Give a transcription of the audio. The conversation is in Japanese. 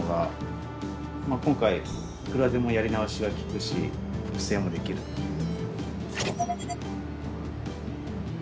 今回いくらでもやり直しがきくし複製もできるっていう。